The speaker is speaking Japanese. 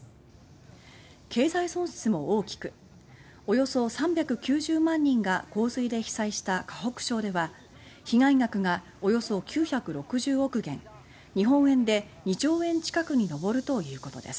経済損失も大きくおよそ３９０万人が洪水で被災した河北省では被害額がおよそ９６０億元日本円で２兆円近くに上るということです。